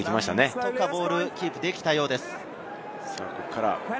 何とかボールはキープできたようです。